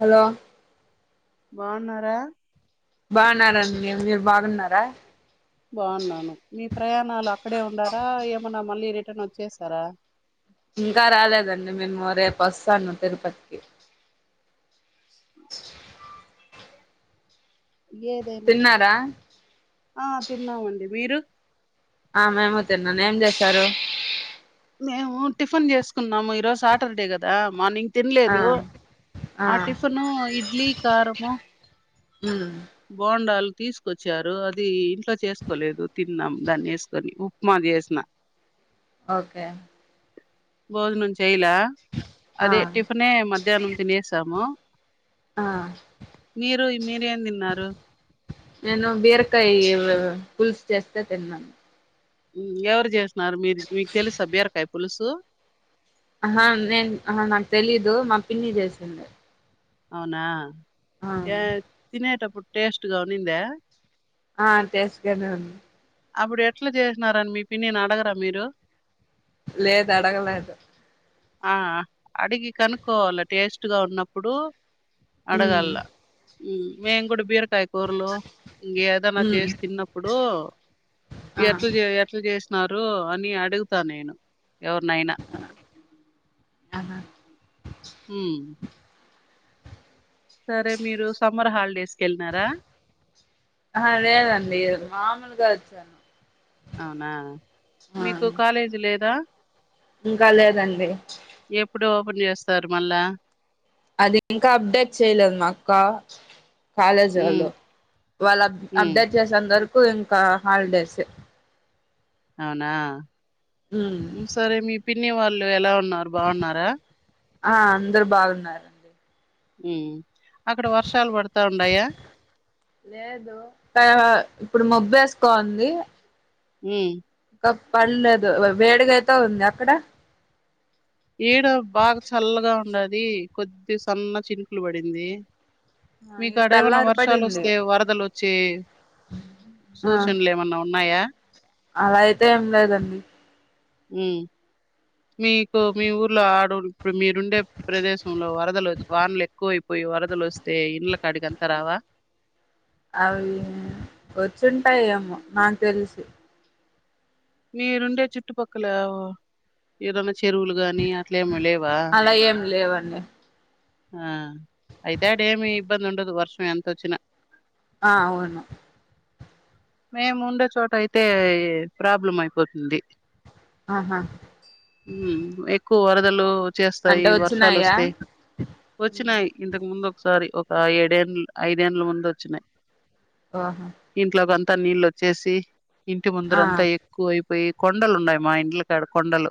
Hello బావున్నర బాగున్నండి మీరు బాగున్నారా బాగున్నాను మీ ప్రయాణాలు అక్కడే ఉండారా ఏమన్నా మళ్ళీ రిటర్న్ వచ్చేస్తారా ఇంకా రాలేదండి నేను రేపు వస్తాను తిరుపతికి తిన్నారా ఆ తిన్నామండి మీరు ఆ మేము తిన్నాన్ ఏం చేశారు మేము టిఫిన్ చేసుకున్నాము ఈరోజు సాటర్డే కదా మార్నింగ్ ఆ తినలేదు ఆ టిఫిను ఇడ్లీ కారము ఉ బొండాలు తీసుకొచ్చారు అది ఇంట్లో చేసుకోలేదు తిన్నాం దాన్ని వేసుకొని ఉప్మా చేసిన ఓకే బోద్ నుంచి ఆ అదే టిఫినే మధ్యాహ్నం తినేసాము ఆ మీరు మీరేం తిన్నారు నేను బీరకాయ పుల్సు చేస్తే తిన్నాను హు ఎవరు చేసిన్నారు మీరు మీకు తెలుసా బీరకాయ పులుసు ఆహా నేను నాకు తెలీదు మా పిన్ని చేసింది అవునా ఆ ఏ తినేట అప్పుడు టేస్ట్ గా ఉండిందా ఆ టేస్ట్ గానే ఉంది అప్పుడు ఎట్లా చేసినారని మీ పిన్నిని అడగరా మీరు లేదు అడగలేదు ఆ ఆ అడిగి కనుక్కోవాలి టేస్ట్ గా ఉన్నప్పుడు ఉమ్ అడగాల్లా హు మేము కూడా బీరకాయ కూరలు ఇంక ఏదన్నా ఉమ్ చేసి తిన్నప్పుడు ఆ ఎట్లా చేయా ఎట్లా చేసి న్నారు అని అడుగుతా నేను ఎవరినైనా ఆహా హు సరే మీరు సమ్మర్ హాలిడేస్ కి వెళ్ళినారా ఆహా లేదండి మాములుగా జను అవునా మీకు కాలేజీ లేదా ఇంకా లేదండి ఎప్పుడు ఓపెన్ చేస్తారు మళ్ళా అది ఇంకా అప్డేట్ చేయలేదు మా అక్క కాలేజీ ఉమ్, వాళ్ళు అప్ ఉమ్, అప్డేట్ చేసేంత వరకు కు ఇంకా హాలిడేస్ ఏ అవునా ఉమ్ సరే మీ పిన్ని న్ని వాళ్ళు ఎలా ఉన్నారు బాగున్నారా ఆ అందరు బాగున్నారు హ్మ్ అక్కడ వర్షాలు పడుతా ఉండాయా లేదు ఇప్పుడు మబ్బ వేసుకోంది హ్మ్ పడలేదు వేడిగ అయితే ఉంది అక్కడ ఈడ బాగా చల్లగా ఉండాది అది కొద్ది సన్న చినుకులు పడింది ఈ మీకు అడ ఏమన్నా తెల్లారి వర్షాలు పడింది వస్తే వరదలు వచ్చి ఆ సూచనలు ఏమన్నా ఉన్నాయా అలా అయితే ఏం లేదండి హ్మ్ మీకు మీ ఊర్లో ఆడు ఇప్పుడు మీరుండే ప్రదేశంలో వరదలు వానలు ఎక్కువైపోయి వరదలు వస్తే ఇండ్ల కాడికి అంత రావా అవి వచ్చుంటాయేమో నాకు తెలిసి మీరుండే చుట్టుపక్కల ఇరన్న చెరువులు గాని అట్లా ఏమ లేవా డి ఆ అయితే అడ ఏమి ఇబ్బంది ఉండదు వర్షం ఎంతొచ్చినా ఆ అవును మేము ఉండే చోట అయితే ప్రాబ్లం అయిపోతుంది ఆహా హ్మ్ ఎ కో వరదలు చేస్తాయి అంటే వర్షాలు వచ్చినాయా వస్తే వచ్చినాయి ఇంతకు ముందు సారీ ఒక ఏడేం ఐదేండ్ల ముందు వచ్చినాయి ఆహా త్త నీళ్ళు వచ్చేసి ఇంటి ముందర అంతా ఎక్కువ అయిపోయి కొండలు ఉన్నాయి మా ఇండ్ల కాడ కొండలు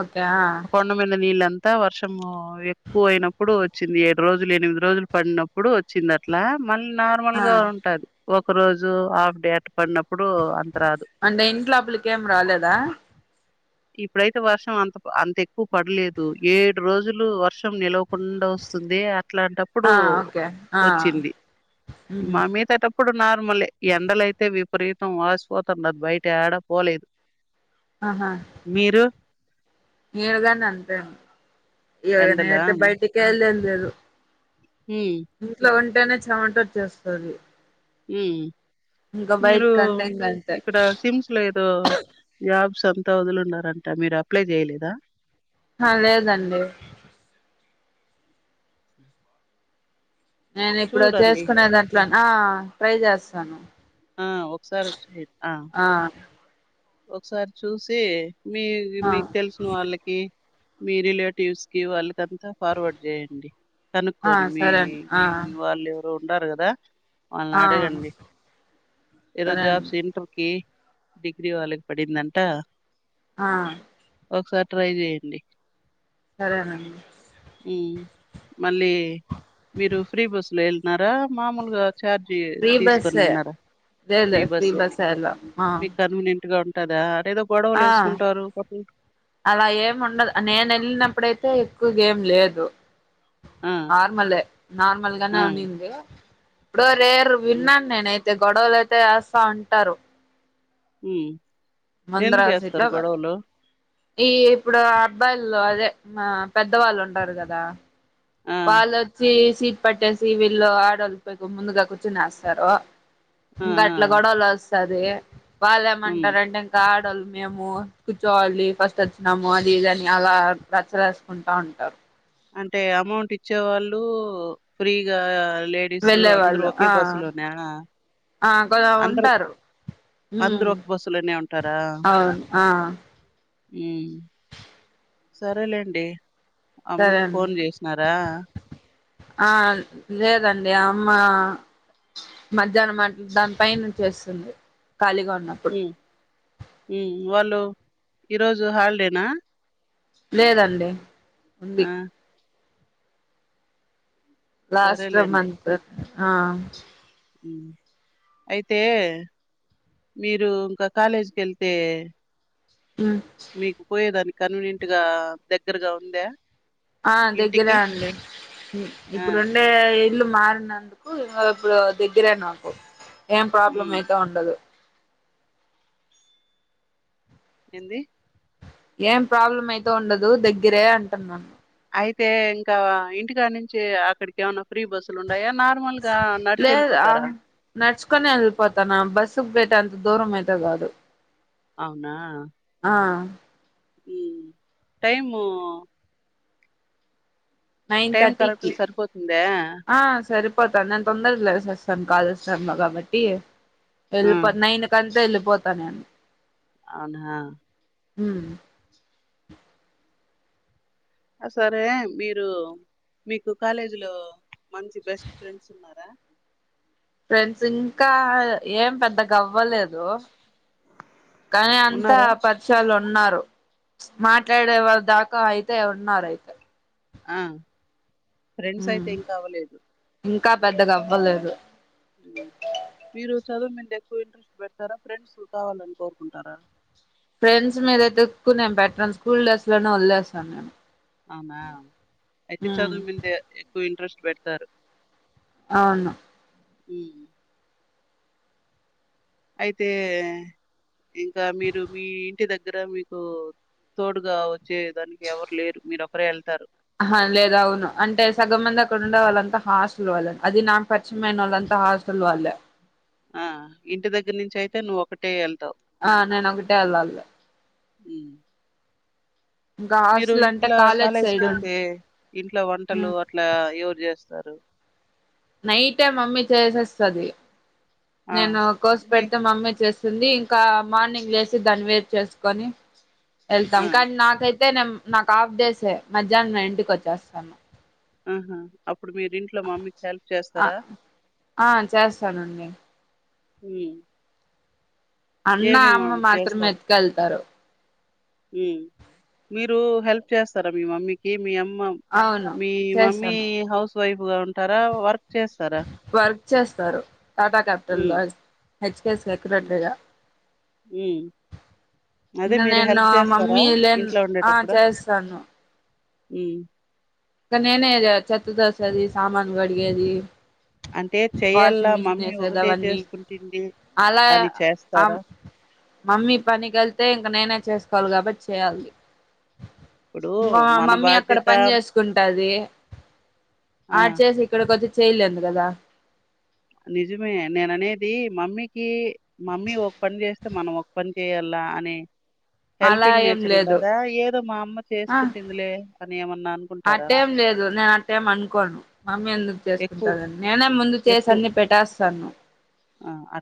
ఓకే ఆ కొండమీద నీళ్ళ తా వర్షము ఎ ఎక్కువ అయినప్పుడు వచ్చింది ఏడు రోజులు ఎనిమిది రోజులు పడినప్పుడు వచ్చింది అట్లా మళ్ళీ నార్మల్ ఆ గా ఉంటది ఒక రోజు హాఫ్ డే పడినప్పుడు అంత రాదు అంటే ఇంటీలోపలికి ఏం రాలేదా ఇప్పుడైతే వర్షం అంత అంత ఎక్కువ పడలేదు ఏడు రోజులు వర్షం నిలవకుండా వస్తుందే అట్లాంటప్పుడు ఆ ఓకే ఆ వచ్చింది ఉహు మా మీతేటప్పుడు నార్మలే ఎండలఅయితే వి పరీతం వాసిపోతారు అది బయట యాడా పోలేదు ఆహా మీరు ఈడగాని అంతే ఇవగ ఎండలా నేతే బయటికి ఎల్లేది లేదు ఉమ్ ఇంట్లో ఉం టేనే చెమట వచ్చేస్తది హ్మ్ ఇంకా మీరు బయటికంటే ఇంగ అంతే ఇక్కడ సిమ్స్ ఏదో జాబ్ సొం తా వదులున్నారంట మీరు అప్లై చేయలేదా ఆ లేదండి నేను ఇప్పుడు చూడండి చేసుకునే దాంట్లో ఆ ట్రై చేస్తా సను ఆ ఒకసారి వచ్చ ఆ ఒకసారి చూసి మీ ఆ మీకు తెలిసిన వాళ్ళకి మీ రిలేటివ్స్ కి వాళ్ళకంతా ఫార్వర్డ్ చేయండి ఆ కనుక్కొని మీ సరే అండి ఆ మీ వాళ్ళు ఇ ఉండారు కదా వాళ్ళని ఆ అడగండి ఈరోజు సరే అండి జాబ్స్ ఇంటర్ కి డి జియో వాళకు పడిందంట ఆ ఒకసారి ట్రై చేయండి సరేనండి ఈ మళ్ళీ మీరు ఫ్రీ బస్సులో వెళ్ళన్నారా మామూలుగా ఛార్జ్ ఫ్రీ తీసుకొని బస్సే వెళ్ళినారా లే లేదు లేదు ఫ్రీ బస్సే ఎలా ఇట్గా ఉంటదా ఆ అలా ఏము ఉండదు నేను వెళ్ళినప్పుడయితే ఎక్కుగ ఏం లేదు ఆ, నార్మల్ ఆ, నార్మల్గానే ఉనింది ప [unintelligible] రెర్ ఉమ్, విన్నాను నేనుయితే అయితే గొడవలుయితే ఏస్తా ఉంటారు హ్మ్ ముందర ఎందుకు సీట్ లో ఏస్తారు గొడవలు ఈ ఇప్పుడు అబ్బాయిల్లో అదే పెద్దవాళ్ళు ఉంటారు కదా ఆ వాళ్లొచ్చి సీట్ పట్టేసి వీళ్ళు ఆడళ్ళిపోయి ముందుగా కూర్చునేస్తారు ఆ! ఇంకా అట్లా ఆ! గోడలస్ సదే హ్మ్. వాళ్ళేమంటారంటే ఇంకా లు మేము కూర్చోావాలి ఫస్ట్ వచ్చినాము అది ఇది అని అలా రచ్చరేసుకుంటా ఉంటారు అంటే అమౌంట్ ఇచ్చే వాళ్ళు ఫ్రీగా లేడీస్ వెళ్ళే అందరుూ వాళ్ళు ఒకే ఆ బస్సు లోనా ఆ కొ ఉంటారు అందరూ ఉమ్ ఒక బస్సులోనే అవును ఆ మ్మ్ సరేలేండి సరే అమ్మకి అండి ఫోన్ చేసినారా ఆ లేదండి ఆ అమ్మ మధ్యాహ్నం అట దాని పైనంచిస్తుంది ఖాళీగా ఉన్నప్పుడు ఉ వాళ్ళు ఈరోజు హాలిడేనా లేదండి ఉంది ఆ! లాస్ట్ సరేలేండి. మంత్ ఆ మ్ అయితే మీరు ఇంక కాలేజీకి వెళ్తే ఉ మీకు పోయేదానికి కన్వీనియంట్ గా దగ్గరగా ఉందా ఆ దగ్గరే ఇంటికి? అండి ఆ! ఇప్పుడుండే ఇల్లు మారినందుకు ఇ ఇప్పుడు దగ్గరే నాకు ఏం ప్రాబ్లం హ్మ్. అయితే ఉండదు ఏంది ఏం ప్రాబ్లం అయిత ఉండదు దగ్గరే అంటున్నాను అయితే ఇంకా ఇంటికా నుంచి అక్కడికి ఏమన్నా ఫ్రీ బస్సులు ఉన్నా లేదు ఆ నడుచుకొని వెళ్ళిపోతాను బస్సుకు పెట్టంత దూరం అయితే గాదు అవునా ఆ మ్ టైము నైన్ టైం థర్టీకిి కరెక్ట్‌గా సరిపోతుందా? ఆ సరిపోతాది నేను తొందరగా లేసేస్త తను కాలేజ్ శర్మ గాబట్టి ఆ! ఎల్లిపో నైన్ కంత ఎల్లిపో పోత నేను అవునా హ ఉమ్ ఆ సరే మీరు మీకు కాలేజీలో మంచి బెస్ట్ ఫ్రెండ్స్ ఉన్నారా ఫ్రెండ్స్ ఇంకా ఏం పెద్ద గవ్వలేదు ఆ అంతా ఉన్నారా? పరిచయాలు ఉం ఉన్నారు మాట్లాడేవ దాకా అయితే ఉన్నారు అయితే ఆ ఫ్రెండ్స్ అయితే ఇంకా అవలేదు ఇంకా పెద్దగా అవ్వలేదు మీరు చదువు మింద ఎక్కువ ఇంట్రెస్ట్ పెడతారా ఫ్రెండ్స్ కావాలని కోరుకుంటారా ఫ్రెండ్స్ మీదైతే ఎక్కువ నేను పెట్టను స్కూల్ డేస్ లోనే వదిలేస్తాను నేను అవునా అయితే ఉమ్ చదువు మింద ఎక్కువ ఇంట్రెస్ట్ పెడతారు అవును ఈ అయితే ఇంకా మీరు మీ ఇంటి దగ్గర మీకు తోడుగా వచ్చే దానికి ఎవరు లేరు మీరొక్కరే వెళ్తారు ఆహ లేదు అవును అంటే సగం మంది అక్కడ ఉండే వాళ్ళంతా హాస్టల్ వాళ్ళది నా పరిచయంమయిన వాళ్ళంతా హాస్టల్ వాళ్ళే ఆ ఇంటి దగ్గర నుంచి అయితే నువ్వు ఒకటే వెళ్తావు ఆ నేనొకటె వెళ్ళాలి ఈ ఇంకా మీరు హాస్టల్ అంటే ఇంట్లో కాలేజ్ కాలేజీకి సైడ్ వెళ్తే ఇంట్లో వంటలు అట్లా ఎవరు చేస్తారు నైటే మమ్మీ చేసేస్తది ఆ! నేను కోసి మీ పెడితే మమ్మీ చేస్తా వస్తుంది ఇంకా మార్నింగ్ లేసి దాని వేడి చేసుకొని వెళ్తాం ఆ! కానీ నాకైతే అయితే నేను నాకు ఆఫ్ డేసే మధ్యాహ్నం ఇంటికి వచ్చేస్తాను మ్ హు ఆ ఆ చేస్తానండి హ్మ్ అన్న ఏమేమి వం అమ్మ మాత్రం ఎత్తుకెళ్తారు మ్ మీరు హెల్ప్ చేస్తారా మీ మమ్మీకి మీ అమ్మ మం అవును మీ మమ్మీ చేస్తాను హౌస్ వైపు గా ఉంటారా వర్క్ చేస్తారా వర్క్ చేస్తారు టాటా క్యాపిటల్ హ్మ్. హెచ్ కె సెక్రటరీగా హ్మ్. అదే ఇకా మీరు నేను హెల్ప్ చేస్తారా? మమ్మీ లే ఇంట్లో ఆ చేస్తాను మ్హ్ ఇక నేనే చేత్త దసేది సామాను కడిగేది అంటే చెయ్యాల వాషింగ్ మిషిన్ మమ్మీ వేసేది ఒకటే అవన్నీ చేసుకుంటుంది అలా అని ఆ చేస్తారా? మమ్మీ పనికి వెళ్తే ఇంక నేనే చేస్త తలు కాబట్టి చేయ్యాలి ఇప్పుడు మన బాధ్యత ఉంటది ఆ! ఆడ చేసి ఇక్కడ కొచ్చి చేయలేన్ది కదా నిజమే నేను అనేది మమ్మీ కీ మమ్మీ ఒక పని చేస్తే మనం ఒక పని చేయాల అని అలా ఏం లేదు. ఏదో మా అమ్మ అ చేసుకుంటుందిలే అని ఏమన్నా అనుకుంటారా? అట్టెం లేదు నేను అట్టెం అనుకోను మమ్మీ ఎందుకు ఎక్కువ చేసుకుంటదని నేనే ముందు చే ఎక్కువ అన్ని పెట్టేస్తాను ఆ అ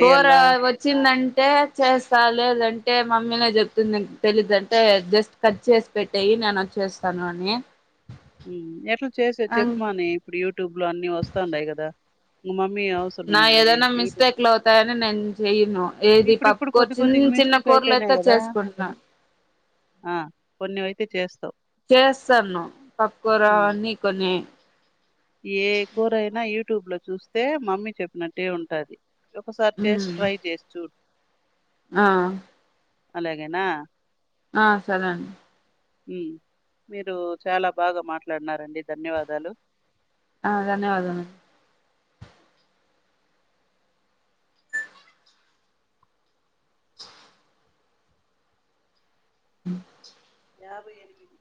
కూర వచ్చిందం టే చేస్తా లేదంటే మమ్మీనే చెప్తుంది, తెలీదంటే జస్ట్ కట్ చేసి పెట్టేయి నేను వచ్చి చేస్తాను అని. ఎట్ల చేసేది చెప్పమాని ఇప్పుడు యూట్యూబ్ లో అన్ని వస్తాండాయి కదా నా ఏదైనా మిస్టేక్లు అవుతాయని నేను చెయ్యను ఏది ఇప్పుడిప్పుడు పప్పుకూర కొద్ది కొద్దిగా చిన్న చిన్న మిస్టేక్ కూరలు అయితేనే అయితే కదా చేసుకుంటున్నా ఆ కొన్నివయితే చేస్తావ్ చేస్తన్ను పప్పు కూర ఉమ్. అన్నీ కొన్ని ఏ కూరైనా యూ ట్యూబ్ లో చూస్తే మమ్మీ చెప్పినట్టే ఉంటాది ఒకసారి చేసి ట్రై చేసి చూడు ఆ అలాగేనా ఆ సరే అండి మీరు చాల బాగా మాట్లాడినారు అండి ధన్యవాదాలు ఆ ధన్యవాదాలండి యాభై ఎనిమిది